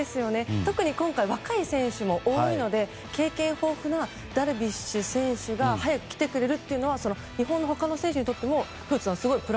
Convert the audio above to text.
特に今回、若い選手も多いので経験豊富なダルビッシュ選手が早く来てくれるというのは日本の他の選手にとっても古田さん